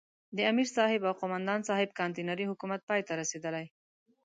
د امرصاحب او قوماندان صاحب کانتينري حکومت پای ته رسېدلی.